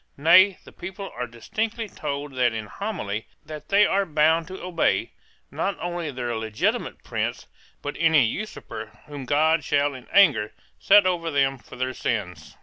Nay, the people are distinctly told in that Homily that they are bound to obey, not only their legitimate prince, but any usurper whom God shall in anger set over them for their sins.